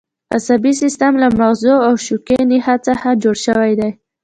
عصبي سیستم له مغزو او شوکي نخاع څخه جوړ شوی دی